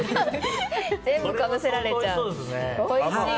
全部かぶせられちゃう。